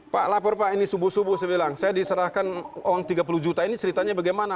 pak lapor pak ini subuh subuh saya bilang saya diserahkan uang tiga puluh juta ini ceritanya bagaimana